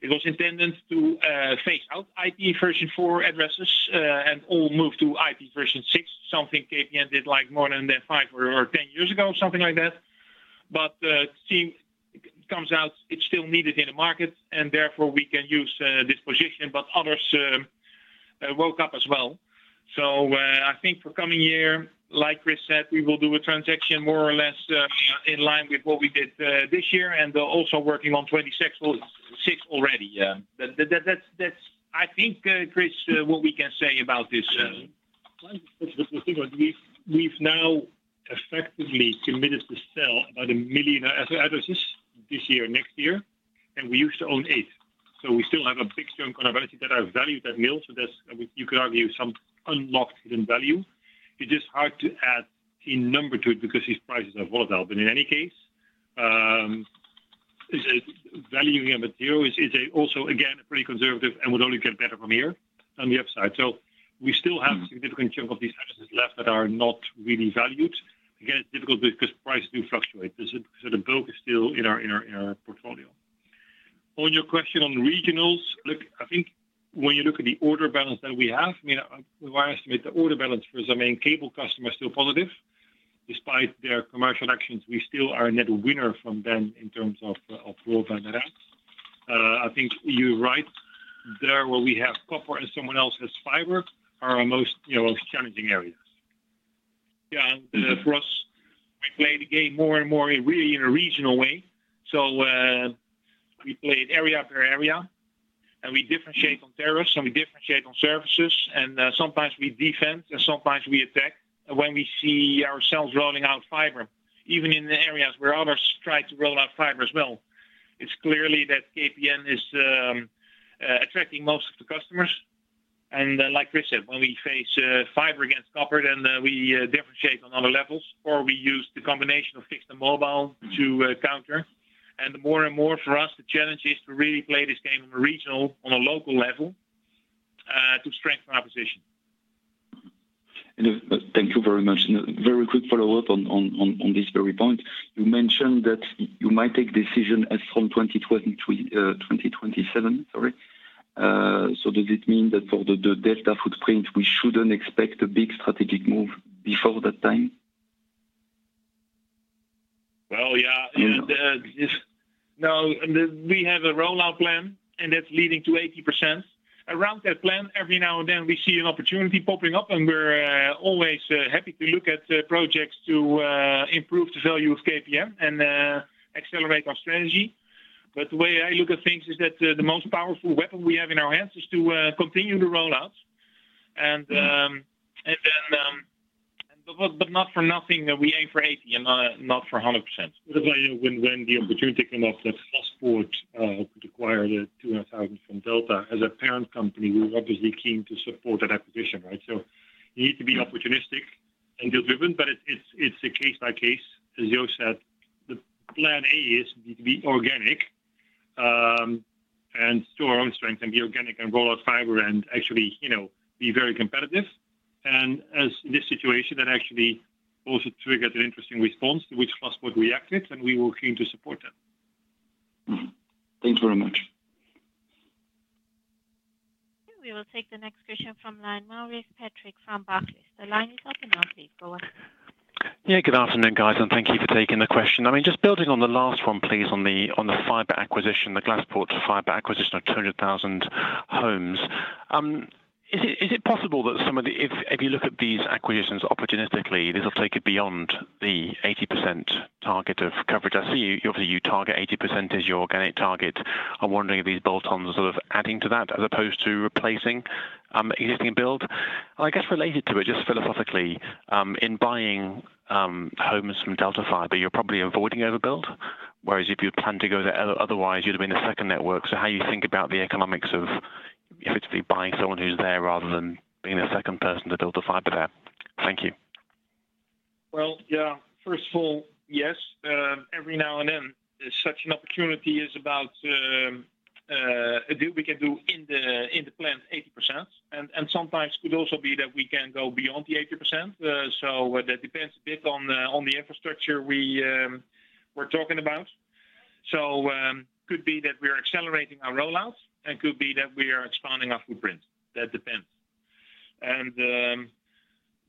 It was intended to phase out IPv4 addresses and all move to IPv6, something KPN did like more than 5 or 10 years ago, something like that. But it comes out, it's still needed in the market, and therefore we can use this position, but others woke up as well. So I think for coming year, like Chris said, we will do a transaction more or less in line with what we did this year and also working on 2026 already. I think, Chris, what we can say about this. We've now effectively committed to sell about 1 million addresses this year and next year, and we used to own 8. So we still have a big chunk on our balance sheet that I value that million, so you could argue some unlocked hidden value. It's just hard to add a number to it because these prices are volatile. But in any case, valuing at zero is also, again, pretty conservative and would only get better from here on the upside. So we still have a significant chunk of these addresses left that are not really valued. Again, it's difficult because prices do fluctuate. So the bulk is still in our portfolio. On your question on regionals, look, I think when you look at the order balance that we have, I mean, I estimate the order balance for the main cable customer is still positive. Despite their commercial actions, we still are a net winner from them in terms of broadband adds. I think you're right. There where we have copper and someone else has fiber are our most challenging areas. Yeah, for us, we play the game more and more really in a regional way. So we play area per area, and we differentiate on tariffs, and we differentiate on services, and sometimes we defend, and sometimes we attack when we see ourselves rolling out fiber. Even in the areas where others try to roll out fiber as well, it's clearly that KPN is attracting most of the customers. Like Chris said, when we face fiber against copper, then we differentiate on other levels, or we use the combination of fixed and mobile to counter. More and more for us, the challenge is to really play this game on a regional, on a local level to strengthen our position. Thank you very much. A very quick follow-up on this very point. You mentioned that you might take decision as from 2027, sorry. So does it mean that for the Delta footprint, we shouldn't expect a big strategic move before that time? Well, yeah. No, we have a rollout plan, and that's leading to 80%. Around that plan, every now and then, we see an opportunity popping up, and we're always happy to look at projects to improve the value of KPN and accelerate our strategy. But the way I look at things is that the most powerful weapon we have in our hands is to continue the rollout. And then but not for nothing, we aim for 80% and not for 100%. That's why when the opportunity came up that Glaspoort could acquire the 200,000 from Delta as a parent company, we were obviously keen to support that acquisition, right? So you need to be opportunistic and deal-driven, but it's a case-by-case. As Jo said, the plan A is to be organic and store our own strength and be organic and roll out fiber and actually be very competitive. In this situation, that actually also triggered an interesting response to which Glaspoort reacted, and we were keen to support them. Thanks very much. We will take the next question from the line of Maurice Patrick from Barclays. The line is open now, please go ahead. Yeah, good afternoon, guys, and thank you for taking the question. I mean, just building on the last one, please, on the fiber acquisition, the Glaspoort fiber acquisition of 200,000 homes. Is it possible that some of the, if you look at these acquisitions opportunistically, this will take it beyond the 80% target of coverage? I see obviously you target 80% as your organic target. I'm wondering if these bolt-ons are sort of adding to that as opposed to replacing existing build. I guess related to it, just philosophically, in buying homes from Delta Fiber, you're probably avoiding overbuild, whereas if you'd plan to go there, otherwise you'd have been a second network. So how do you think about the economics of effectively buying someone who's there rather than being the second person to build the fiber there? Thank you. Well, yeah, first of all, yes, every now and then, such an opportunity is about a deal we can do in the planned 80%. And sometimes it could also be that we can go beyond the 80%. So that depends a bit on the infrastructure we're talking about. So it could be that we're accelerating our rollout, and it could be that we are expanding our footprint. That depends. And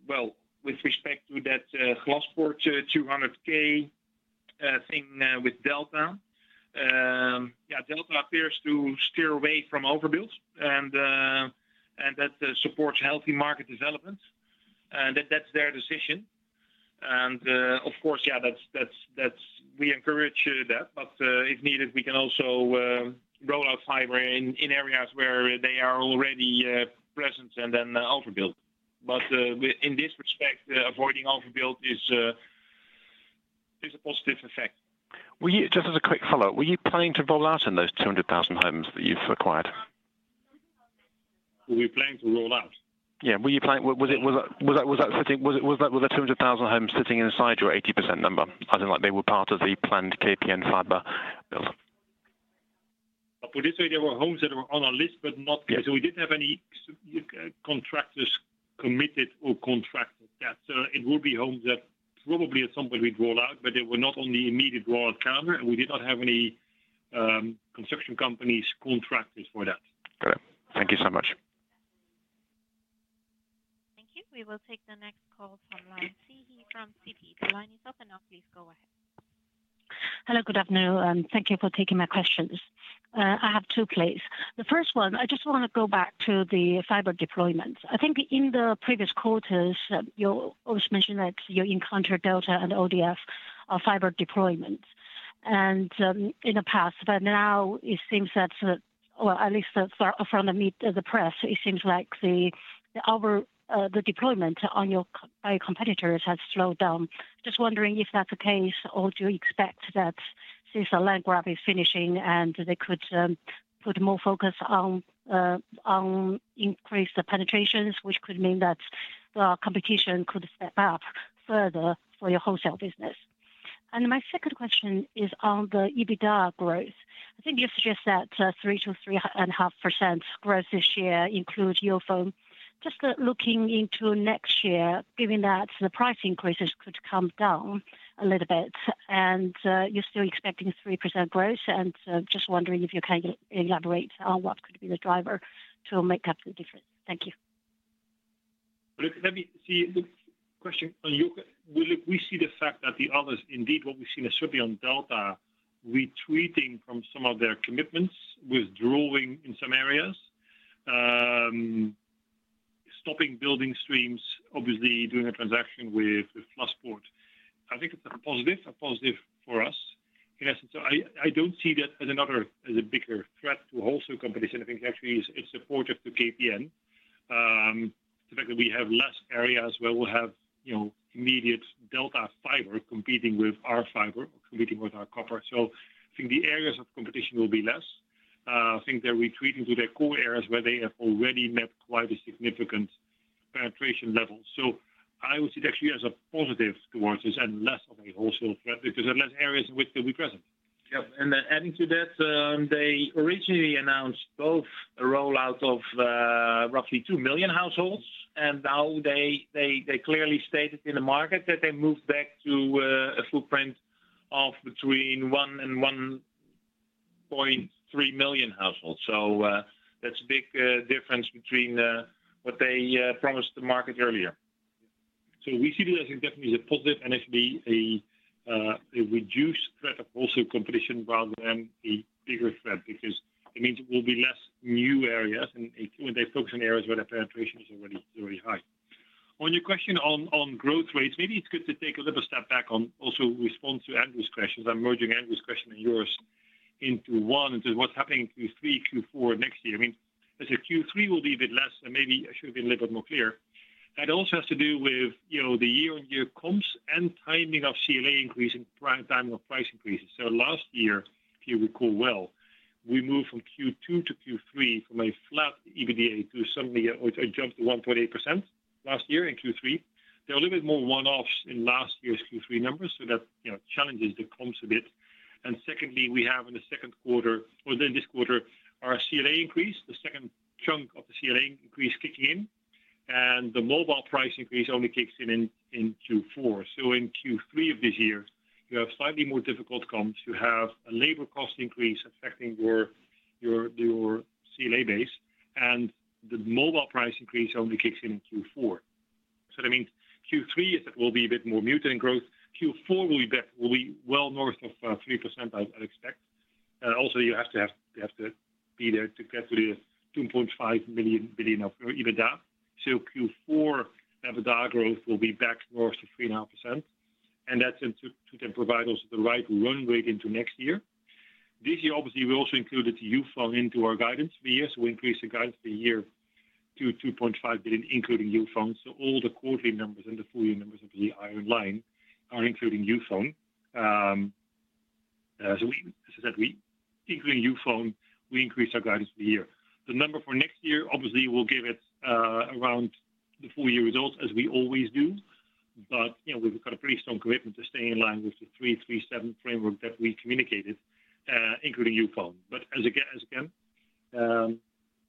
well, with respect to that Glaspoort 200K thing with Delta, yeah, Delta appears to steer away from overbuild, and that supports healthy market development. That's their decision. And of course, yeah, we encourage that, but if needed, we can also roll out fiber in areas where they are already present and then overbuild. But in this respect, avoiding overbuild is a positive effect. Just as a quick follow-up, were you planning to roll out in those 200,000 homes that you've acquired? Were we planning to roll out? Yeah, were you planning? Was that sitting? Was that 200,000 homes sitting inside your 80% number? I think like they were part of the planned KPN fiber build. For this area, there were homes that were on our list, but not because we didn't have any contractors committed or contracted. So it will be homes that probably at some point we'd roll out, but they were not on the immediate rollout calendar, and we did not have any construction companies contracted for that. Got it. Thank you so much. Thank you. We will take the next call from line Siyi He from Citi. The line is up and now, please go ahead. Hello, good afternoon, and thank you for taking my questions. I have two plays. The first one, I just want to go back to the fiber deployments. I think in the previous quarters, you always mentioned that you encountered Delta and ODF fiber deployments in the past, but now it seems that, well, at least from the press, it seems like the deployment by your competitors has slowed down. Just wondering if that's the case, or do you expect that since the land grab is finishing and they could put more focus on increased penetrations, which could mean that the competition could step up further for your Wholesale business? And my second question is on the EBITDA growth. I think you suggest that 3%-3.5% growth this year includes Youfone. Just looking into next year, given that the price increases could come down a little bit, and you're still expecting 3% growth, and just wondering if you can elaborate on what could be the driver to make up the difference? Thank you. Look, let me see the question on your question. Well, look, we see the fact that the others, indeed, what we've seen is certainly on Delta retreating from some of their commitments, withdrawing in some areas, stopping building streams, obviously doing a transaction with Glaspoort. I think it's a positive, a positive for us. In essence, I don't see that as another bigger threat to Wholesale companies. I think actually it's supportive to KPN. The fact that we have less areas where we'll have immediate Delta fiber competing with our fiber or competing with our copper. So I think the areas of competition will be less. I think they're retreating to their core areas where they have already met quite a significant penetration level. So I would see it actually as a positive towards this and less of a Wholesale threat because there are less areas in which they'll be present. Yep. And adding to that, they originally announced both a rollout of roughly 2 million households, and now they clearly stated in the market that they moved back to a footprint of between 1-1.3 million households. So that's a big difference between what they promised the market earlier. So we see this as definitely a positive and actually a reduced threat of Wholesale competition rather than a bigger threat because it means it will be less new areas, and they focus on areas where their penetration is already high. On your question on growth rates, maybe it's good to take a little step back on also respond to Andrew's question. I'm merging Andrew's question and yours into one into what's happening in Q3, Q4 next year. I mean, as Q3 will be a bit less, and maybe I should have been a little bit more clear. That also has to do with the year-on-year comps and timing of CLA increase and timing of price increases. So last year, if you recall well, we moved from Q2 to Q3 from a flat EBITDA to suddenly a jump to 1.8% last year in Q3. There are a little bit more one-offs in last year's Q3 numbers, so that challenges the comps a bit. And secondly, we have in the second quarter, or then this quarter, our CLA increase, the second chunk of the CLA increase kicking in, and the mobile price increase only kicks in in Q4. So in Q3 of this year, you have slightly more difficult comps. You have a labor cost increase affecting your CLA base, and the mobile price increase only kicks in in Q4. So that means Q3 will be a bit more muted in growth. Q4 will be well north of 3%, I'd expect. Also, you have to be there to get to the 2.5 billion of EBITDA. So Q4, EBITDA growth will be back north of 3.5%, and that's to then provide also the right run rate into next year. This year, obviously, we also included Youfone into our guidance for the year. So we increased the guidance for the year to 2.5 billion, including Youfone. So all the quarterly numbers and the full year numbers obviously are in line, are including Youfone. So as I said, including Youfone, we increased our guidance for the year. The number for next year, obviously, we'll give it around the full year results as we always do, but we've got a pretty strong commitment to stay in line with the 3-3-7 framework that we communicated, including Youfone. But as again, the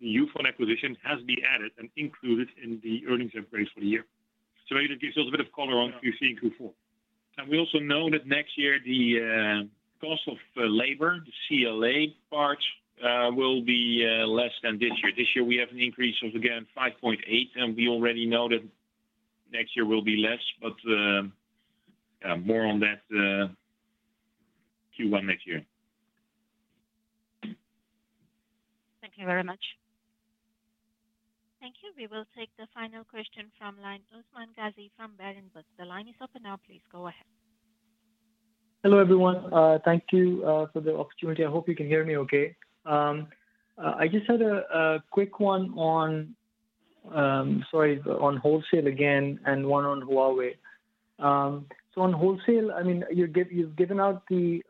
Youfone acquisition has been added and included in the earnings and trades for the year. So it gives you a little bit of color on Q3 and Q4. And we also know that next year the cost of labor, the CLA part, will be less than this year. This year, we have an increase of, again, 5.8, and we already know that next year will be less, but more on that Q1 next year. Thank you very much. Thank you. We will take the final question from line Usman Ghazi from Berenberg. The line is up and now, please go ahead. Hello everyone. Thank you for the opportunity. I hope you can hear me okay. I just had a quick one on, sorry, on Wholesale again and one on Huawei. So on Wholesale, I mean, you've given out the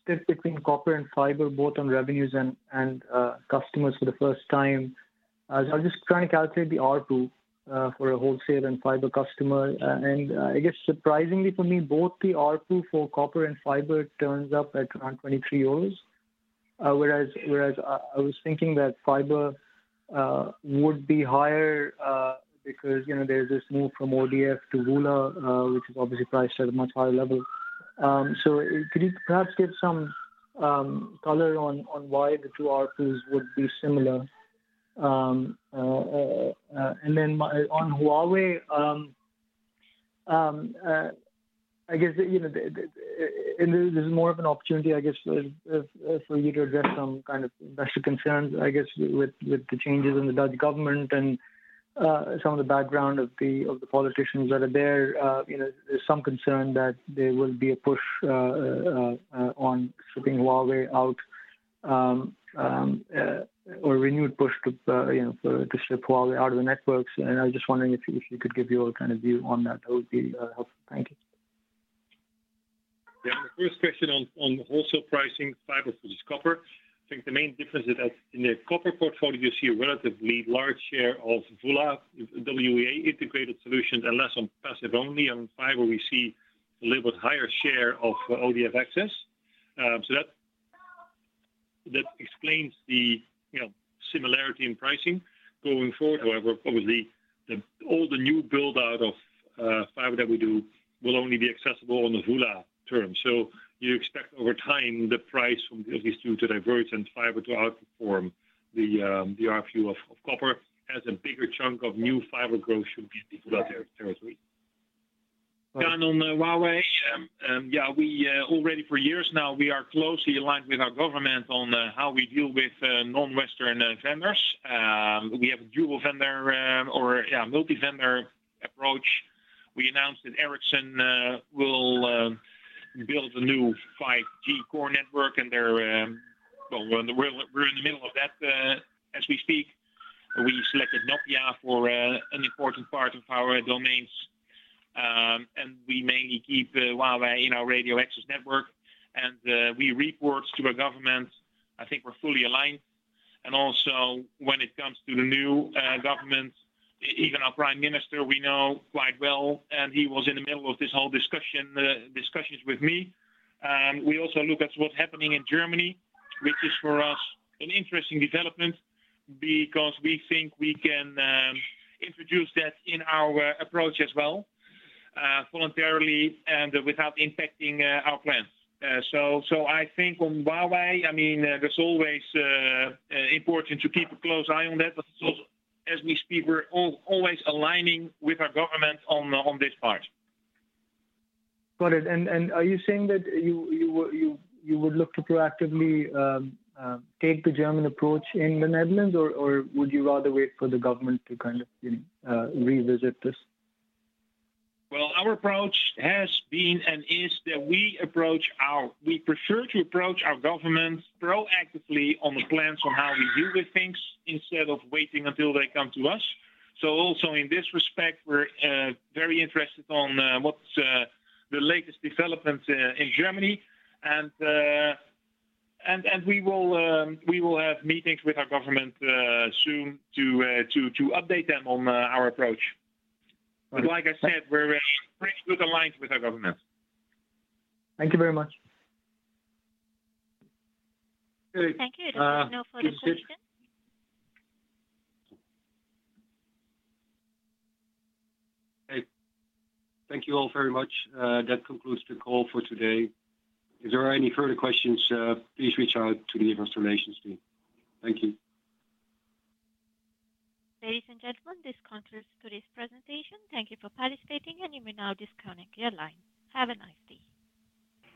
split between copper and fiber, both on revenues and customers for the first time. I was just trying to calculate the ARPU for a Wholesale and fiber customer. And I guess surprisingly for me, both the ARPU for copper and fiber turns up at around 23 euros, whereas I was thinking that fiber would be higher because there's this move from ODF to VULA, which is obviously priced at a much higher level. So could you perhaps give some color on why the two ARPUs would be similar? Then on Huawei, I guess this is more of an opportunity, I guess, for you to address some kind of investor concerns, I guess, with the changes in the Dutch government and some of the background of the politicians that are there. There's some concern that there will be a push on stripping Huawei out or a renewed push to strip Huawei out of the networks. I was just wondering if you could give your kind of view on that. That would be helpful. Thank you. Yeah, my first question on Wholesale pricing fiber versus copper. I think the main difference is that in the copper portfolio, you see a relatively large share of VULA, WEAS integrated solutions, and less on passive only. On fiber, we see a little bit higher share of ODF access. So that explains the similarity in pricing going forward. However, obviously, all the new build-out of fiber that we do will only be accessible on the VULA terms. So you expect over time the price from these two to diverge and fiber to outperform the ARPU of copper, as a bigger chunk of new fiber growth should be in the VULA territory. Yeah, on Huawei, yeah, already for years now, we are closely aligned with our government on how we deal with non-Western vendors. We have a dual vendor or, yeah, multi-vendor approach. We announced that Ericsson will build a new 5G core network, and we're in the middle of that as we speak. We selected Nokia for an important part of our domains, and we mainly keep Huawei in our radio access network, and we report to our government. I think we're fully aligned. And also, when it comes to the new government, even our prime minister, we know quite well, and he was in the middle of this whole discussion with me. We also look at what's happening in Germany, which is for us an interesting development because we think we can introduce that in our approach as well, voluntarily and without impacting our plans. So I think on Huawei, I mean, it's always important to keep a close eye on that, but as we speak, we're always aligning with our government on this part. Got it. Are you saying that you would look to proactively take the German approach in the Netherlands, or would you rather wait for the government to kind of revisit this? Well, our approach has been and is that we prefer to approach our government proactively on the plans on how we deal with things instead of waiting until they come to us. So also in this respect, we're very interested on what's the latest developments in Germany, and we will have meetings with our government soon to update them on our approach. But like I said, we're very good aligned with our government. Thank you very much. Thank you. There's no further questions. Thank you all very much. That concludes the call for today. If there are any further questions, please reach out to the information team. Thank you. Ladies and gentlemen, this concludes today's presentation. Thank you for participating, and you may now disconnect your line. Have a nice day.